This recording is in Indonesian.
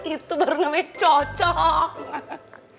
itu baru namanya cocok